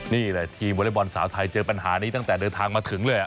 นี่แหละทีมวอเล็กบอลสาวไทยเจอปัญหานี้ตั้งแต่เดินทางมาถึงเลย